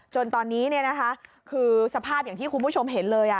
จนตอนนี้คือสภาพอย่างที่คุณผู้ชมเห็นเลย